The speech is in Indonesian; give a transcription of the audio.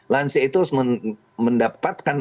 lansia itu harus mendapatkan